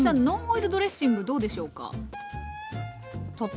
ノンオイルドレッシングどうでしょうか？